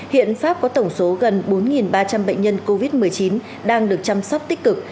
hiện pháp có tổng số gần bốn ba trăm linh bệnh nhân covid một mươi chín đang được chăm sóc tích cực